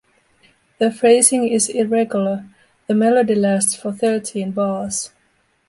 The phrasing is irregular - the melody lasts for thirteen bars.